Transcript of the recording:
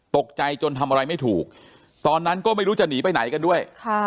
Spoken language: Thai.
ตกใจจนทำอะไรไม่ถูกตอนนั้นก็ไม่รู้จะหนีไปไหนกันด้วย